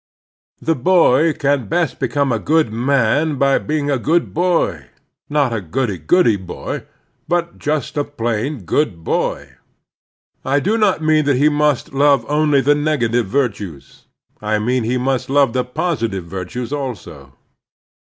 The boy can best become a good man by being a good boy — ^not a goody goody boy, but jtist a plain good boy. I do not mean that he must love The American Boy isr only the negative virtues ; I mean he must love the positive virtues also.